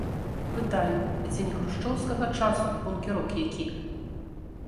Пытаю, а ці не хрушчоўскага часу бункерок які.